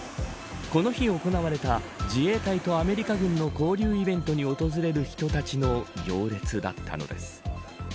この日行われた自衛隊とアメリカ軍の交流イベントに訪れる人たちの行列だったのです。